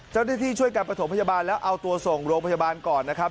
เจ้าหน้าที่ช่วยการประถมพยาบาลแล้วเอาตัวส่งโรงพยาบาลก่อนนะครับ